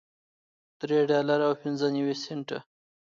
درې ډالره او پنځه نوي سنټه